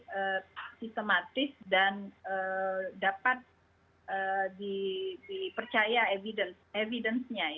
lebih sistematis dan dapat dipercaya evidence nya